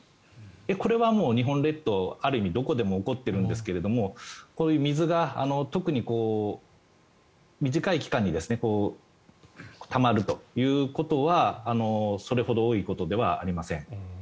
これはもう日本列島ある意味どこでも起こっているんですが水が特に短い期間にたまるということはそれほど多いことではありません。